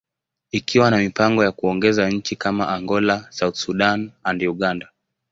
ikiwa na mipango ya kuongeza nchi kama Angola, South Sudan, and Uganda.